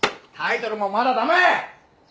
タイトルもまだ駄目！